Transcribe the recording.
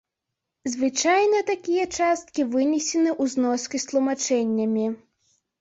Звычайна, такія часткі вынесены ў зноскі з тлумачэннямі.